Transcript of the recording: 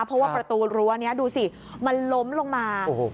เพราะว่าประตูรั้วนี้ดูสิมันล้มลงมา